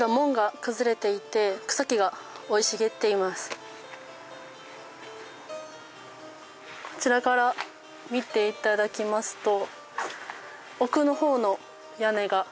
こちらこちらから見ていただきますと。